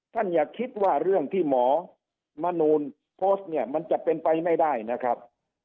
อย่าคิดว่าเรื่องที่หมอมนูลโพสต์เนี่ยมันจะเป็นไปไม่ได้นะครับ